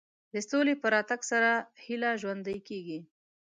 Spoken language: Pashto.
د سولې په راتګ سره هیله ژوندۍ کېږي.